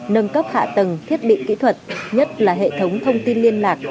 nâng cấp hạ tầng thiết bị kỹ thuật nhất là hệ thống thông tin liên lạc